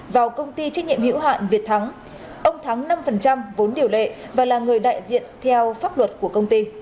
vào công ty trách nhiệm hữu hạn việt thắng ông thắng năm vốn điều lệ và là người đại diện theo pháp luật của công ty